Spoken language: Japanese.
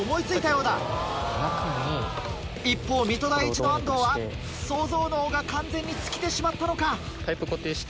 一方水戸第一の安藤はソウゾウ脳が完全に尽きてしまったのか。